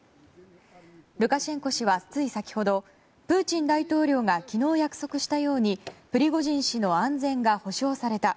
ルカシェンコ氏はつい先ほどプーチン大統領が昨日約束したようにプリゴジン氏の安全が保証された。